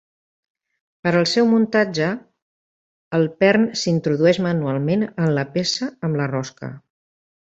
Per al seu muntatge, el pern s'introdueix manualment en la peça amb la rosca.